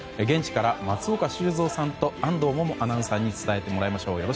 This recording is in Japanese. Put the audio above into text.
現地から松岡修造さんと安藤萌々アナウンサーに伝えてもらいましょう。